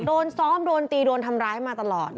โดนซ้อมโดนตีโดนทำร้ายมาตลอด